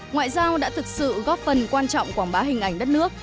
ngoại giao đã thực sự góp phần quan trọng quảng bá hình ảnh đất nước